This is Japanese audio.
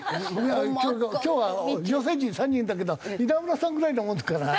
今日は女性陣３人いるんだけど稲村さんぐらいなもんだから。